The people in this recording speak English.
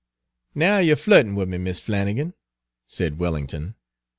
"Now you 're flattrin' me, Mis' Flannigan," said Wellington.